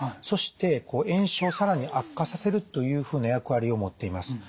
そして炎症を更に悪化させるというふうな役割を持っています。